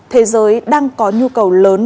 thế giới đang có nhu cầu lớn